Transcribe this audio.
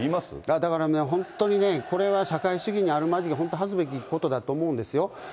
だからね、本当にね、これは社会主義にあるまじき、本当恥ずべきことだと思うんですよ。